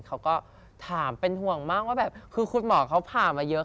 เขาก็ถามเป็นห่วงมากว่าแบบคือคุณหมอเขาผ่ามาเยอะ